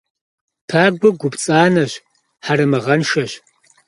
Пагуэ гу пцӏанэщ, хьэрэмыгъэншэщ.